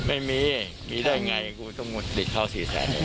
ไม่มีมีได้ไงกูต้องงดติดเขาสี่แสนเอง